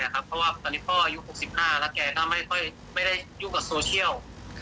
เพราะว่าตอนนี้พ่ออายุ๖๕แล้วแกก็ไม่ได้ยุ่งกับโซเชียล